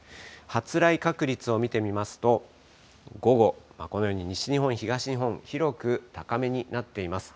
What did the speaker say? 発雷確率を見てみますと、午後、このように西日本、東日本、広く高めになっています。